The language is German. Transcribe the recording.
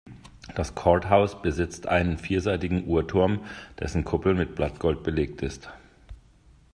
Das Courthouse besitzt einen vierseitigen Uhrturm, dessen Kuppel mit Blattgold belegt ist.